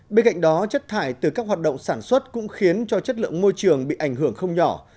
bên cạnh đó chất thải từ các hoạt động sản xuất cũng khiến cho chất lượng môi trường bị ảnh hưởng không nhỏ